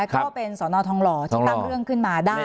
ก็เป็นสอนอทองหล่อที่ตั้งเรื่องขึ้นมาได้